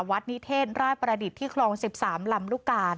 นิเทศราชประดิษฐ์ที่คลอง๑๓ลำลูกกา